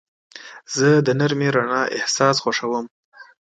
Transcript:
زه د نرمې رڼا احساس خوښوم.